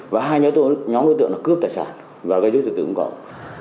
và hai nhóm đối tượng cướp tài sản và gây dối trật tự công cộng